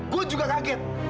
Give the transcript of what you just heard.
gw juga kaget